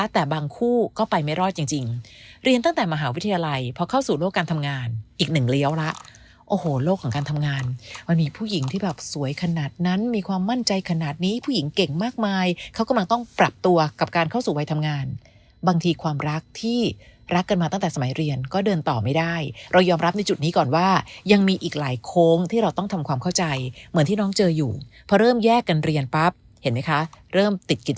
แต่บางคู่ก็ไปไม่รอดจริงเรียนตั้งแต่มหาวิทยาลัยพอเข้าสู่โลกการทำงานอีกหนึ่งเลี้ยวละโอ้โหโลกของการทำงานมันมีผู้หญิงที่แบบสวยขนาดนั้นมีความมั่นใจขนาดนี้ผู้หญิงเก่งมากมายเขากำลังต้องปรับตัวกับการเข้าสู่วัยทำงานบางทีความรักที่รักกันมาตั้งแต่สมัยเรียนก็เดินต่อไม่ได้เรายอมรับใน